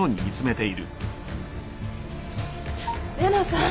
玲奈さん。